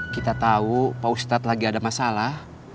kita tahu pak ustadz lagi ada masalah